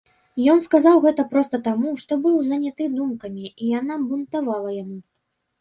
Ён сказаў гэта проста таму, што быў заняты думкамі і яна бунтавала яму.